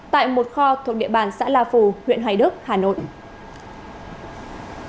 tại một kho thuộc địa bàn xã la phù huyện hoài đức hà nội